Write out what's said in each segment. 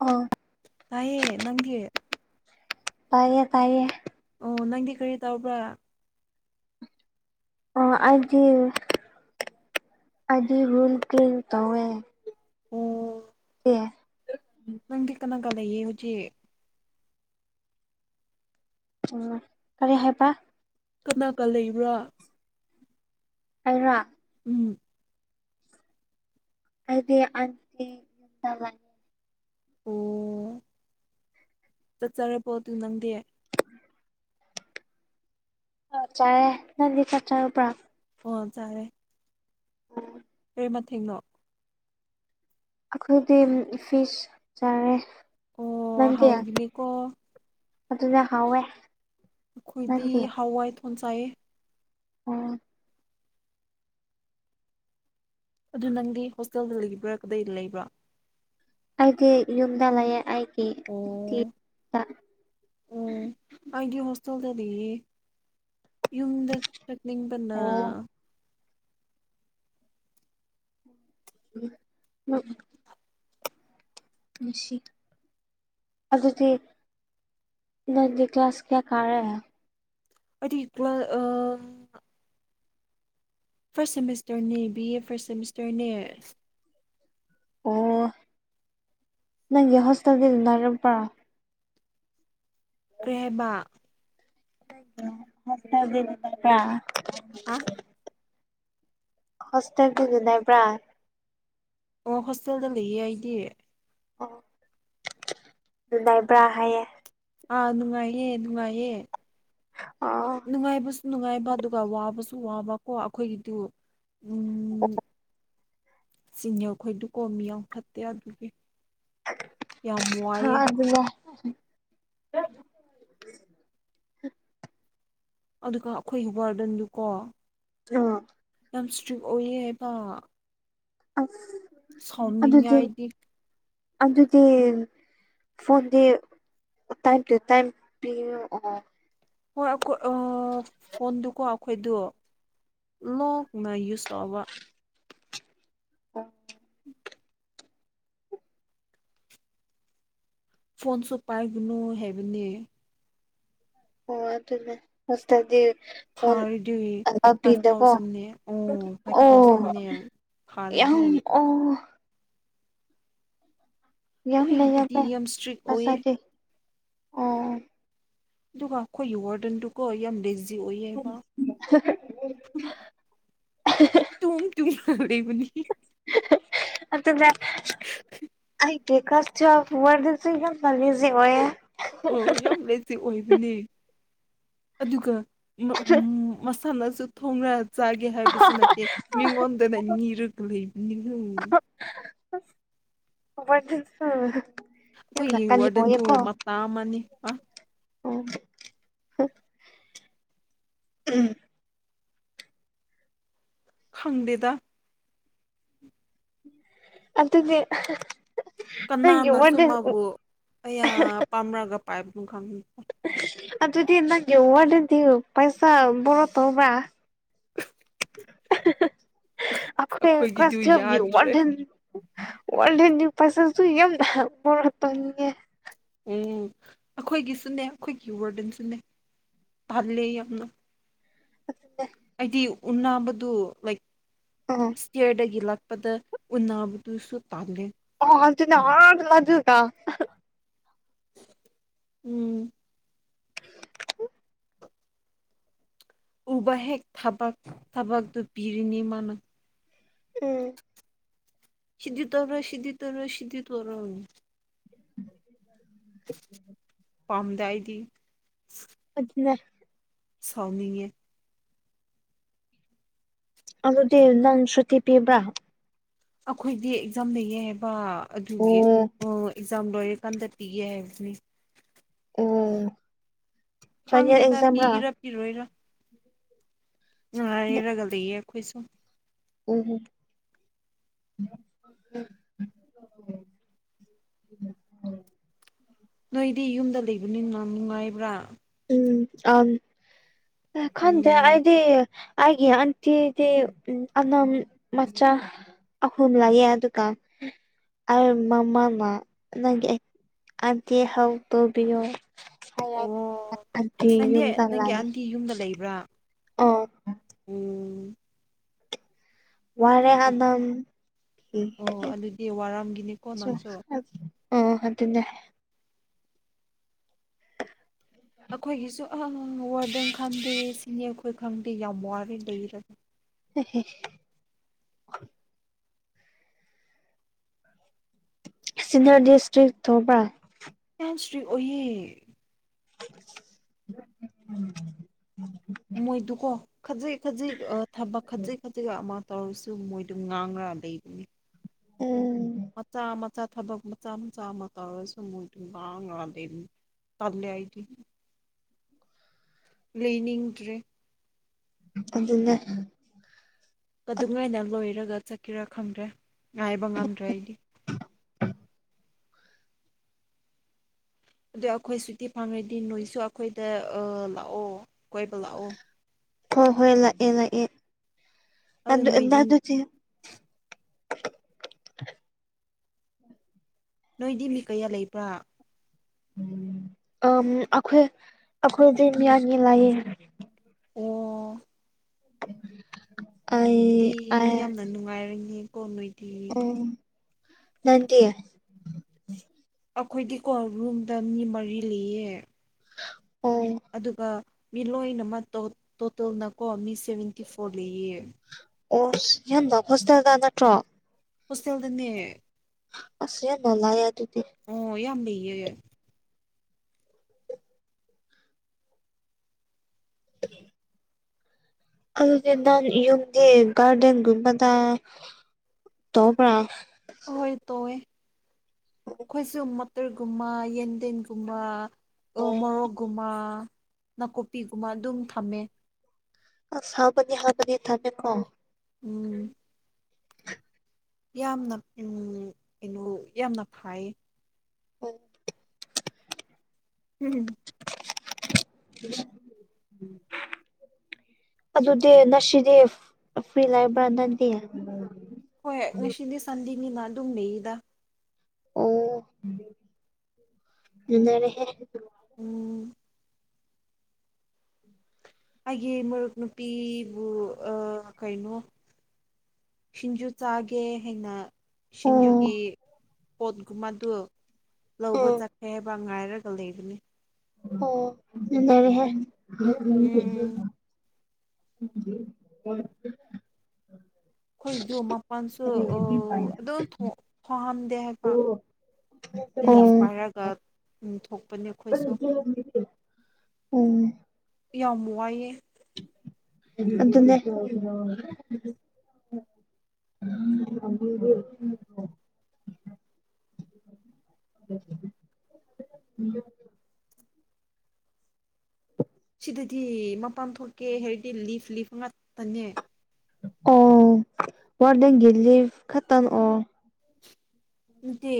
ꯑꯣ ꯇꯥꯏꯌꯦ ꯅꯪꯗꯤ ꯇꯥꯏꯌꯦ ꯇꯥꯏꯌꯦ꯫ ꯑꯣ ꯅꯪꯗꯤ ꯀꯔꯤ ꯇꯧꯕ꯭ꯔꯥ ꯑꯣ ꯑꯩꯗꯤ ꯑꯗꯨꯕꯨ ꯅꯨꯡꯇꯤꯒꯤ ꯇꯧꯋꯦ ꯑꯣ ꯑꯦ ꯅꯪꯗꯤ ꯀꯅꯥꯒ ꯂꯩꯌꯦ ꯍꯧꯖꯤꯛ꯫ ꯎꯝ ꯀꯔꯤ ꯍꯥꯏꯕ ꯀꯅꯥꯒ ꯂꯩꯕ꯭ꯔꯥ ꯑꯩꯔꯣ ꯎꯝ ꯑꯩꯗꯤ [unintelligible] ꯑꯣ ꯆꯥꯛ ꯆꯔꯕꯣ ꯑꯗꯨ ꯅꯪꯗꯤ ꯆꯥꯔꯦ ꯅꯪꯗꯤ ꯆꯥꯛ ꯆꯥꯔꯕꯔꯥ ꯑꯣ ꯆꯔꯦ ꯎꯝ ꯀꯔꯤ ꯃꯊꯦꯡꯅꯣ ꯑꯩꯈꯣꯏꯗꯤ ꯐꯤꯁ ꯆꯥꯔꯦ ꯑꯣ ꯅꯪꯗꯤ ꯍꯥꯎꯒꯤꯅꯤꯀꯣ꯫ ꯑꯗꯨꯅ ꯍꯥꯎꯋꯦ ꯑꯩꯈꯣꯏꯗꯤ ꯅꯪꯗꯤ ꯍꯋꯥꯏꯊꯣꯡ ꯆꯥꯏꯌꯦ ꯑꯣ ꯑꯗꯨ ꯅꯪꯗꯤ ꯍꯣꯁꯇꯦꯜꯗ ꯂꯩꯔꯤꯕ꯭ꯔꯥ ꯀꯗꯥꯏ ꯂꯩꯕ꯭ꯔꯥ ꯑꯩꯗꯤ ꯌꯨꯝꯗ ꯂꯩꯌꯦ ꯑꯩꯒꯤ ꯑꯟꯇꯤ ꯇ ꯎꯝ ꯑꯩꯗꯤ ꯍꯣꯁꯇꯦꯜꯗ ꯂꯩꯌꯦ꯫ ꯌꯨꯝꯗ ꯆꯠꯅꯤꯡꯕꯅ ꯑꯣ [unintelligible] ꯃꯁꯤ ꯑꯗꯨꯗꯤ ꯅꯪꯗꯤ ꯀ꯭ꯂꯥꯁ ꯀꯌꯥ ꯀꯥꯔꯦ ꯑꯩꯗꯤ ꯀ꯭ꯂ ꯑ ꯐꯥꯔꯁꯠ ꯁꯦꯃꯤꯁꯇꯔꯅꯦ ꯕꯤ ꯑꯦ ꯐꯥꯔ꯭ꯁꯠ ꯁꯦꯃꯤꯁꯇꯔꯅꯦ ꯑꯣ ꯅꯪ ꯍꯣꯁꯇꯦꯜꯗ ꯅꯨꯡꯉꯥꯏꯄꯔ ꯀꯔꯤ ꯍꯥꯏꯕ ꯑꯗꯤ ꯀꯥ ꯑꯥ ꯍꯣꯁꯇꯦꯜꯗꯤ ꯑꯗꯨ ꯅꯩꯕ꯭ꯔꯥ ꯑꯣ ꯍꯣꯁꯇꯦꯜꯗ ꯂꯩꯌꯦ ꯑꯩꯗꯤ ꯑꯣ ꯂꯩꯕ꯭ꯔꯥ ꯍꯥꯏꯌꯦ ꯑꯥ ꯅꯨꯡꯉꯥꯏꯌꯦ ꯅꯨꯡꯉꯥꯏꯌꯦ ꯑꯣ ꯅꯨꯡꯉꯥꯏꯕꯁꯨ ꯅꯨꯡꯉꯥꯏꯕ ꯑꯗꯨꯒ ꯋꯥꯕꯁꯨ ꯋꯥꯕꯀꯣ ꯑꯈꯣꯏꯒꯤꯗꯨ ꯎꯝ ꯆꯤꯅꯤꯌꯈꯣꯏꯗꯨ ꯀꯣ ꯃꯤ ꯌꯥꯝ ꯐꯠꯇꯦ ꯑꯗꯨꯒꯤ ꯌꯥꯝ ꯍ ꯋꯥꯏꯑꯦ ꯑꯗꯨꯋꯥ ꯑꯗꯨꯒ ꯑꯩꯈꯣꯏꯒꯤ ꯋꯥꯋꯔꯗꯟꯗꯨꯀꯣ ꯎꯝ ꯌꯥꯝ ꯁꯇ꯭ꯔꯤ ꯑꯣꯏꯌꯦ ꯍꯥꯏꯕ ꯑꯁ ꯁꯥꯎꯅꯤꯡꯉꯦ ꯑꯗꯨꯗꯤ ꯑꯩꯗꯤ ꯑꯗꯨꯗꯤ ꯐꯣꯟꯗꯤ ꯇꯥꯏꯝ ꯇꯨ ꯇꯥꯏꯝ ꯄꯤꯔꯛꯑꯣ ꯍꯣꯏ ꯑꯩꯈꯣꯏ ꯑ ꯐꯣꯟꯗꯨꯀꯣ ꯑꯩꯈꯣꯏꯗꯣ ꯂꯣꯡꯅ ꯌꯨꯁ ꯇꯧꯕ ꯑꯣ ꯐꯣꯟꯁꯨ ꯄꯥꯏꯒꯅꯨ ꯍꯥꯏꯕꯅꯤ ꯑꯣ ꯑꯗꯨꯅꯦ ꯃꯥꯁꯇ꯭ꯔꯗꯤ ꯐꯥꯔ ꯗꯦ ꯐꯥꯏꯚ ꯊꯥꯎꯖꯟꯅꯦ ꯑꯣ ꯐꯥꯏꯚ ꯊꯥꯎꯖꯟꯅꯦ ꯐꯥꯔꯒꯤ ꯑ ꯌꯥꯝ ꯑꯩꯈꯣꯏꯒꯤꯗꯗꯤ ꯂꯩꯌꯦꯕ ꯌꯥꯝ ꯏꯁꯇ꯭ꯔꯤꯛ ꯑꯣꯏꯌꯦ ꯄꯥꯁꯗꯤ ꯑꯥ ꯑꯗꯨꯒ ꯑꯩꯈꯣꯏꯒꯤ ꯋꯥꯔꯗꯟꯗꯨꯀꯣ ꯌꯥꯝ ꯂꯦꯖꯤ ꯑꯣꯏꯌꯦꯕ꯫ ꯇꯨꯡ ꯇꯨꯝ ꯂꯩꯕꯅꯤ ꯑꯗꯨꯅꯦ ꯑꯩ unintelligible ꯑꯣ ꯌꯥꯝ ꯂꯩꯇꯦ ꯑꯣꯏꯕꯅꯦ ꯑꯗꯨꯒ ꯑꯃ ꯎꯝ꯫ ꯃꯁꯥꯅꯁꯨ ꯊꯣꯡꯔꯥ ꯆꯥꯒꯦ ꯍꯥꯏꯕꯁꯨ ꯅꯠꯇꯦ ꯃꯤꯉꯣꯟꯗꯅ ꯅꯤꯔꯒ ꯂꯩꯕꯅꯤ unintelligible ꯑꯩꯈꯣꯏꯒꯤ ꯋꯥꯔꯗꯟꯗꯨ ꯃꯇꯥ ꯑꯃꯅꯤ ꯑ꯫ ꯑꯣ ꯎꯝ ꯈꯪꯗꯦꯗ ꯑꯗꯨꯗꯤ ꯅꯪꯒꯤ ꯀꯅꯥꯅꯁꯨ ꯋꯥꯔꯗꯦꯟ ꯃꯥꯕꯨ ꯀꯌꯥ ꯄꯥꯝꯔꯒ ꯄꯥꯏꯕꯅꯣ ꯈꯪꯗꯦ ꯑꯗꯨꯗꯤ ꯅꯪꯒꯤ ꯋꯥꯔꯗꯟꯗꯤ ꯄꯩꯁꯥ ꯕꯣꯔꯣ ꯇꯧꯕ꯭ꯔꯥ [unintelligible] ꯑꯈꯣꯏ ꯀ꯭ꯂꯥꯁ ꯑꯩꯈꯣꯏꯒꯤꯗꯨ ꯇꯋꯦꯜꯐꯒꯤ ꯌꯥꯗ꯭ꯔꯦ ꯋꯥꯔꯗꯦꯟ [unintelligible] ꯎꯝ ꯑꯩꯈꯣꯏꯒꯤꯁꯨꯅꯦ ꯑꯩꯈꯣꯏꯒꯤ ꯋꯥꯔꯗꯦꯟꯁꯨꯅꯦ ꯇꯜꯂꯦ ꯌꯥꯝꯅ ꯑꯗꯨꯅꯦ ꯑꯩꯗꯤ ꯎꯅꯕꯗꯨ ꯂꯥꯏꯛ ꯑ ꯏꯁꯇꯤꯌꯔꯗꯒꯤ ꯂꯥꯛꯄꯗ ꯎꯅꯕꯗꯨꯁꯨ ꯇꯜꯂꯦ ꯑꯣ ꯑꯗꯨꯅ ꯑꯥꯗ [unintelligible] ꯎꯝ ꯎꯕ ꯍꯦꯛ ꯊꯕꯛ ꯊꯕꯛꯇꯨ ꯄꯤꯔꯤꯅꯤ ꯃꯥꯅ ꯎꯝ ꯁꯤꯗꯤ ꯇꯧꯔꯣꯏ ꯁꯤꯗꯤ ꯇꯧꯔꯣꯏ ꯁꯤꯗꯤ ꯇꯧꯔꯣꯏ ꯄꯥꯝꯗꯦ ꯑꯩꯗꯤ ꯑꯗꯨꯅꯦ ꯁꯥꯎꯅꯤꯡꯉꯦ ꯑꯗꯨꯗꯤ ꯅꯪ ꯁꯨꯇꯤ ꯄꯤꯕ꯭ꯔ ꯑꯩꯈꯣꯏꯗꯤ ꯑꯦꯛꯖꯥꯝ ꯂꯩꯌꯦ ꯍꯥꯏꯕ ꯑꯣ ꯑꯗꯨꯒꯤ ꯑꯣ ꯑꯦꯛꯖꯥꯝ ꯂꯣꯏꯔꯀꯥꯟꯗ ꯄꯤꯒꯦ [unintelligible] ꯑꯣ ꯐꯥꯏꯅꯦꯜ ꯑꯦꯛꯖꯥꯝꯔ ꯏꯔꯣꯏꯔ ꯅꯨꯡꯉꯥꯏꯔꯒ ꯂꯩꯌꯦ ꯑꯩꯈꯣꯏꯁꯨ ꯎꯝ ꯍꯝ [unintelligible] ꯅꯣꯏꯗꯤ ꯌꯨꯝꯗ ꯂꯩꯕꯅꯤꯅ ꯅꯨꯡꯉꯥꯏꯕ꯭ꯔꯥ ꯎꯝ ꯑꯝ ꯑ ꯈꯟꯗꯦ ꯎꯝ ꯑꯩꯗꯤ ꯑꯩꯒꯤ ꯑꯟꯇꯤꯗꯤ ꯎꯝ ꯑꯅꯝ ꯃꯆꯥ ꯑꯍꯨꯝ ꯂꯩꯌꯦ ꯑꯗꯨꯀ ꯑꯩ ꯃꯃꯥꯅ ꯅꯪꯒꯤ ꯑꯟꯇꯤ ꯍꯧ ꯇꯧꯕꯤꯌꯣ [unintelligible] [unintelligible] ꯑꯣ ꯑꯟꯇꯤ ꯅꯪꯗꯤ ꯌꯨꯝꯗ ꯅꯪꯒꯤ ꯂꯥꯛꯑꯦ ꯑꯟꯇꯤ ꯌꯨꯝꯗ ꯂꯩꯕ꯭ꯔꯥ ꯑꯣ ꯎꯝ ꯋꯥꯔꯦ ꯑꯗꯝ ꯑꯣ ꯑꯗꯨꯗꯤ ꯋꯥꯔꯝꯒꯤꯅꯤꯀꯣ ꯅꯪꯁꯨ [unintelligible] ꯑꯣ ꯑꯗꯨꯅꯦ ꯑꯩꯈꯣꯏꯒꯤꯁꯨ ꯑꯥ ꯋꯥꯔꯗꯟ ꯈꯪꯗꯦ ꯁꯤꯅꯤꯌꯔ ꯈꯣꯏ ꯈꯪꯗꯦ ꯌꯥꯝ ꯋꯥꯔꯦ ꯂꯩꯔꯒ [unintelligible] ꯁꯦꯟꯇꯔ ꯗꯤꯁꯇ꯭ꯔꯤꯛ ꯇꯧꯕꯔ ꯌꯥꯝ ꯁꯇ꯭ꯔꯤꯛ ꯑꯣꯏꯌꯦ [unintelligible] ꯃꯣꯏꯗꯨꯀꯣ ꯈꯥꯖꯤꯛ ꯈꯥꯖꯤꯛ ꯊꯕꯛ ꯈꯥꯖꯤꯛ ꯈꯥꯖꯤꯛ ꯑꯃ ꯇꯧꯔꯁꯨ ꯃꯣꯏꯗꯨ ꯉꯥꯡꯉ꯭ꯔ [unintelligible] ꯎꯝ ꯃꯆꯥ ꯃꯆꯥ ꯊꯕꯛ ꯃꯆꯥ ꯃꯆꯥ ꯑꯃ ꯇꯧꯔꯁꯨ ꯃꯣꯏꯗꯤ ꯉꯥꯡꯉꯔ ꯂꯩꯕꯅꯦ ꯇꯜꯂꯦ ꯑꯩꯗꯤ ꯂꯩꯅꯤꯡꯗ꯭ꯔꯦ ꯑꯗꯨꯅꯦ ꯑꯗꯨꯃꯥꯏꯅ ꯂꯣꯏꯔꯒ ꯆꯠꯀꯦꯔꯥ ꯈꯪꯗ꯭ꯔꯦ ꯉꯥꯏꯕ ꯉꯝꯗ꯭ꯔꯦ ꯑꯩꯗꯤ ꯑꯗꯨ ꯑꯩꯈꯣꯏ ꯁꯨꯇꯤ ꯐꯪꯔꯗꯤ ꯅꯣꯏꯁꯨ ꯑꯩꯈꯣꯏꯗ ꯑ ꯂꯥꯛꯑꯣ ꯀꯣꯏꯕ ꯂꯥꯛꯑꯣ ꯍꯣꯏ ꯍꯣꯏ ꯂꯥꯛꯑꯦ ꯂꯥꯛꯑꯦ ꯑꯗꯨ ꯅꯣꯏꯗꯤ [unintelligible] ꯅꯣꯏꯗꯤ ꯃꯤ ꯀꯌꯥ ꯂꯩꯕ꯭ꯔꯥ ꯎꯝ ꯑꯝ ꯑꯩꯈꯣꯏ ꯑꯩꯈꯣꯏꯗꯤ ꯃꯤꯌꯟ ꯅꯨꯡꯉꯥꯏꯌꯦ ꯑꯣ ꯑꯩ [unintelligible] ꯌꯥꯝꯅ ꯅꯨꯡꯉꯥꯏꯔꯅꯤ ꯀꯣ ꯅꯣꯏ ꯑꯣ ꯅꯠꯇꯦ ꯑꯩꯈꯣꯏꯗꯤꯀꯣ ꯔꯨꯝꯗ ꯃꯤ ꯃꯔꯤ ꯂꯩꯌꯦ [unintelligible] ꯑꯗꯨꯒ ꯃꯤ ꯂꯣꯏꯅꯃꯛꯇꯣ ꯇꯣꯇꯜꯅꯀꯣ ꯃꯤ ꯁꯦꯚꯦꯟꯇꯤ ꯐꯣꯔ ꯂꯩꯌꯦ ꯑꯣ ꯅꯪꯒꯥ ꯍꯣꯁꯇꯦꯜꯗ ꯅꯠꯇ꯭ꯔꯣ [unintelligible] ꯍꯣꯁꯇꯦꯜꯗꯥꯅꯦ ꯑꯁ ꯌꯥꯝꯅ [unintelligible] ꯑꯗꯨꯗꯤ ꯑꯣ ꯌꯥꯝ ꯂꯩꯌꯦ [inaudible] ꯑꯗꯨꯗꯤ ꯅꯪ ꯌꯨꯝꯗꯤ ꯒꯥꯔꯗꯦꯟꯒꯨꯝꯕꯗ ꯇꯧꯕ꯭ꯔꯥ ꯍꯣꯏ ꯇꯧꯋꯦ ꯑꯩꯈꯣꯏꯁꯨꯃꯛ ꯇꯔꯒꯨꯝꯕ ꯌꯦꯟꯗꯦꯝꯒꯨꯝꯕ ꯃꯣꯔꯣꯛ ꯒꯨꯝꯕꯥ ꯅꯥꯀꯨꯞꯄꯤꯒꯨꯝꯕ ꯑꯗꯨꯝ ꯊꯝꯃꯦ ꯑꯁ ꯍꯥꯞꯕꯅꯦ ꯍꯥꯕꯅꯦ ꯊꯝꯃꯦꯀꯣ ꯎꯝ ꯌꯥꯝꯅ ꯎꯝ ꯀꯩꯅꯣ ꯌꯥꯝꯅ ꯐꯥꯏꯌꯦ [unintelligible] ꯎꯝ [unintelligible] ꯑꯗꯨꯗꯤ ꯉꯁꯤꯗꯤ ꯐ꯭ꯔꯤ ꯂꯩꯕ꯭ꯔꯥ ꯅꯪꯗꯤ ꯍꯣꯏ ꯉꯁꯤꯗꯤ ꯁꯟꯗꯤꯅꯤꯅ ꯑꯗꯨꯝ ꯂꯩꯌꯦꯗ ꯑꯣ ꯂꯨꯅꯔꯦꯍꯦ ꯎꯝ ꯑꯩꯒꯤ ꯃꯔꯨꯞ ꯅꯨꯨꯄꯤꯕꯨ ꯑ ꯀꯩꯅꯣ ꯁꯤꯡꯖꯨ ꯆꯥꯒꯦ ꯍꯥꯏꯅ ꯑꯣ ꯁꯤꯡꯖꯨꯒꯤ ꯄꯣꯠꯒꯨꯝꯕꯗꯨ ꯂꯧꯕ ꯎꯝ ꯆꯠ ꯑꯦꯕ ꯉꯥꯏꯔꯒ ꯂꯩꯕꯅꯤ ꯎꯝ [unintelligible] [unintelligible] ꯑꯩꯈꯣꯏꯁꯨ ꯃꯄꯜꯁꯨ ꯑꯗꯨꯝ ꯊꯣꯡꯍꯝꯗꯦ ꯍꯥꯏꯕ ꯂꯤꯐ [unintelligible] [unintelligible] ꯊꯣꯛꯄꯅꯦ ꯑꯩꯈꯣꯏꯁꯨ ꯎꯝ ꯌꯥꯝ ꯋꯥꯏꯑꯦ ꯑꯗꯨ ꯑꯗꯨ [unintelligible] [unintelligible] ꯁꯤꯗꯗꯤ ꯃꯄꯥꯟ ꯊꯣꯛꯀꯦ ꯍꯥꯏꯔꯗꯤ ꯂꯤꯐ ꯂꯤꯐ ꯉꯥꯛꯇꯅꯦ ꯑꯣ ꯋꯥꯔꯗ ꯦꯂꯤ ꯈꯇꯅ ꯑꯣ ꯅꯠꯇꯦ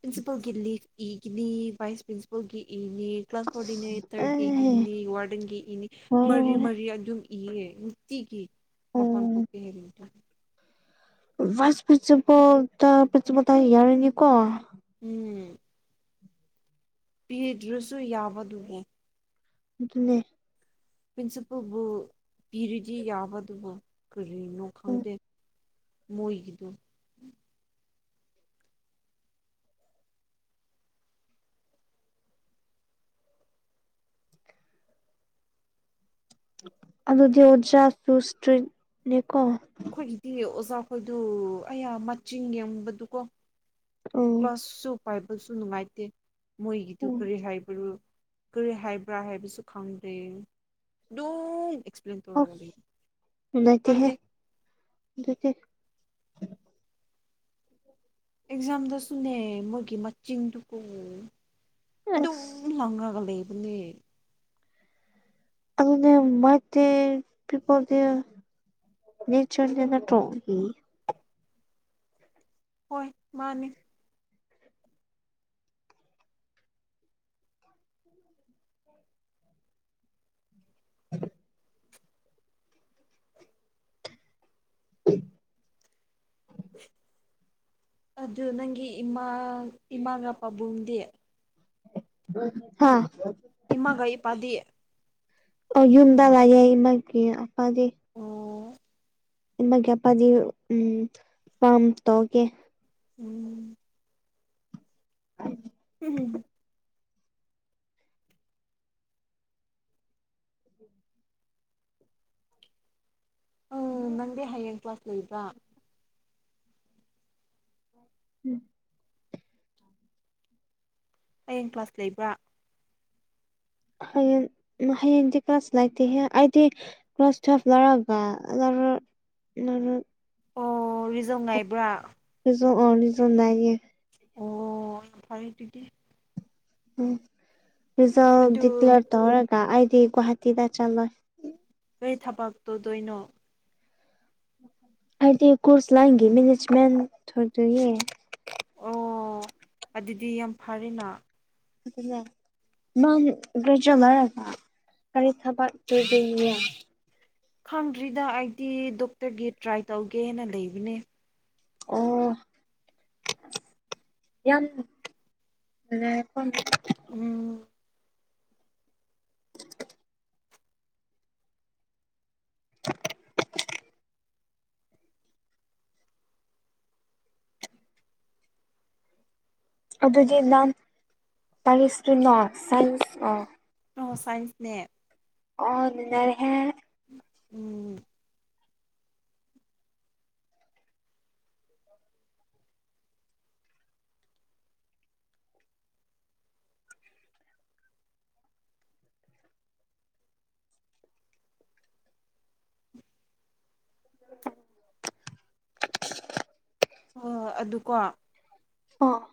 ꯄ꯭ꯔꯤꯟꯁꯤꯄꯜꯒꯤ ꯂꯤꯐ ꯏꯒꯤꯅꯤ ꯚꯥꯏꯁ ꯄ꯭ꯔꯤꯟꯁꯤꯜ ꯍꯣꯏꯒꯤ ꯏꯅꯦ ꯀ꯭ꯂꯥꯁ ꯀꯣꯑꯣꯔꯗꯤꯅꯦꯇꯔꯒꯤ ꯑꯦ ꯏꯅꯦ ꯋꯥꯔꯗꯦꯟꯒꯤ ꯏꯅꯦ ꯋꯥꯔꯦ ꯃꯔꯤ ꯋꯥꯔꯦ ꯃꯔꯤ ꯑꯗꯨꯝ ꯏꯌꯦ ꯅꯨꯡꯇꯤꯒꯤ ꯃꯄꯥꯟ ꯎꯝ ꯊꯣꯛ [unintelligible] ꯋꯥꯁ [unintelligible] [unintelligible] ꯄꯤꯗ꯭ꯔꯁꯨ ꯌꯥꯕꯗꯨꯕꯣ ꯑꯗꯨꯅꯦ ꯄ꯭ꯔꯤꯟꯁꯤꯄꯜꯕꯨ ꯄꯤꯔꯗꯤ ꯌꯥꯕꯗꯨꯕꯨ ꯀꯔꯤꯅꯣ ꯎꯝ ꯈꯪꯗꯦ ꯃꯣꯏꯒꯤꯗꯨ ꯑꯗꯨꯗꯤ ꯑꯣꯖꯥꯁꯨꯁꯇ꯭ꯔꯤꯠꯅꯦꯀꯣ ꯑꯈꯣꯏꯖꯤꯗꯤ ꯑꯣꯖꯥꯈꯣꯏꯗꯨ ꯑꯌꯥ ꯃꯆꯤꯡ ꯌꯦꯡꯕꯗꯨꯀꯣ ꯎꯝ ꯀ꯭ꯂꯥꯁꯁꯨ ꯄꯥꯏꯕꯁꯨ ꯅꯨꯡꯉꯥꯏꯇꯦ ꯃꯣꯏꯒꯤꯗꯨ ꯎꯝ ꯀꯔꯤ ꯍꯥꯏꯕꯅꯣ ꯀꯔꯤ ꯍꯥꯏꯕ꯭ꯔꯥ ꯍꯥꯏꯕꯁꯨ ꯈꯪꯗꯦ ꯑꯗꯨ ꯇꯧꯔꯒ ꯂꯩ ꯑꯣꯐ ꯅꯥꯠꯇꯦꯍꯦ ꯑꯗꯨꯇ ꯑꯦꯛꯖꯥꯝꯗꯁꯨꯅꯦ ꯃꯣꯏꯒꯤ ꯃꯆꯤꯡꯗꯨꯒ ꯑꯗꯨꯝ ꯑꯁ ꯂꯪꯥꯒ ꯂꯩꯕꯅꯦ [unintelligible] ꯅꯣꯏ ꯆꯠꯂꯤ ꯅꯠꯇ꯭ꯔꯣ ꯎꯝ ꯍꯣꯏ ꯃꯥꯅꯤ [unintelligible] [unintelligible] ꯑꯗꯨ ꯅꯪꯒꯤ ꯏꯃꯥ ꯏꯃꯥꯒ ꯄꯥꯕꯨꯡꯗꯤ ꯍꯥꯥ ꯏꯃꯥꯒꯩ ꯄꯥꯗꯤꯑ ꯑꯣ ꯌꯨꯝꯗ ꯂꯥꯏꯌꯦ ꯃꯥꯒꯤ ꯑꯄꯥꯗꯤ ꯑꯣ ꯏꯃꯥꯒꯤ ꯑꯄꯥꯗꯤ ꯎꯝ ꯐꯥꯝ ꯇꯧꯒꯦ ꯎꯝ [unintelligible] ꯎ ꯅꯪꯗꯤ ꯍꯌꯦꯡ ꯀ꯭ꯂꯥꯁ ꯂꯩꯕ꯭ꯔꯥ ꯎꯝ ꯍꯌꯦꯡ ꯀ꯭ꯂꯥꯁ ꯂꯩꯕ꯭ꯔꯥ ꯍꯌꯦꯡ ꯍꯌꯦꯡꯗꯤ ꯀ꯭ꯂꯥꯁ ꯂꯩꯥꯛꯇꯦꯍꯦ ꯍꯥꯏꯗꯤ ꯀ꯭ꯔꯣꯥꯁ ꯇꯋꯦꯜ ꯂꯧꯔꯒ ꯑꯔ ꯑꯣ ꯔꯤꯖꯧ ꯉꯥꯏꯕ꯭ꯔꯥ ꯑꯗꯨꯁꯨ ꯑꯣꯅꯤꯁꯨꯅꯥꯏ ꯑꯣ ꯐꯔ ꯇꯒꯤ ꯎꯝ ꯔꯤꯖꯜ ꯑꯗꯨ ꯗꯤꯀ꯭ꯂꯦꯔ ꯇꯧꯔꯒ ꯑꯩꯗꯤ ꯨꯋꯥꯍꯥꯇꯤꯗ ꯆꯂ ꯀꯩ ꯊꯕꯛ ꯇꯧꯗꯣꯏꯅꯣ ꯑꯗꯤ ꯀꯣꯔꯁ ꯃꯦꯅꯦꯖꯃꯦꯟ ꯊꯗ ꯌꯦ ꯑꯣ ꯑꯗꯨꯗꯤ ꯌꯥꯝ ꯐꯔꯦꯅ ꯅꯝ ꯀꯔ ꯆꯂ ꯀꯔꯤ ꯊꯕꯛ ꯀꯤꯗꯣꯏꯅꯣ ꯈꯪꯗ꯭ꯔꯤꯗ ꯑꯩꯗꯤ ꯗꯣꯛꯇꯔꯒꯤ ꯇ꯭ꯔꯥꯏ ꯇꯧꯒꯦꯅ ꯂꯩꯕꯅꯦ [unintelligible] ꯎꯝ ꯑꯗꯨꯗꯤ ꯅꯪ ꯇꯥꯅꯤꯁꯇ꯭ꯔꯤꯝ ꯂꯥ ꯁꯥꯢꯟꯁ ꯂꯥ ꯁꯥꯏꯟꯁꯅꯦ ꯑꯣ [unintelligible] ꯎꯝ ꯑꯣ ꯑꯗꯨꯀꯣ ꯑꯣ